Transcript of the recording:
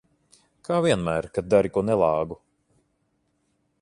Kā vienmēr, kad dari ko nelāgu.